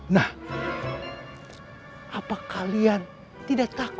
lebih dan keras